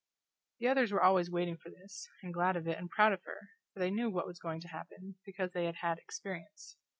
The others were always waiting for this, and glad of it and proud of her, for they knew what was going to happen, because they had had experience.